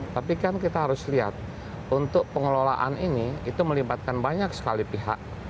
tapi kan kita harus lihat untuk pengelolaan ini itu melibatkan banyak sekali pihak